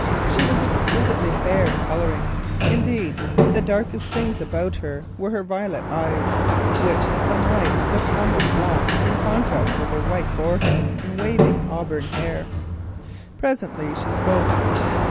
She was exquisitely fair in colouring—indeed, the darkest things about her were her violet eyes, which in some lights looked almost black by contrast with her white forehead and waving auburn hair. Presently she spoke.